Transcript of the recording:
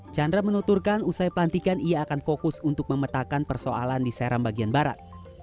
chandra menuturkan usai pelantikan ia akan fokus untuk memetakan persoalan di seram bagian barat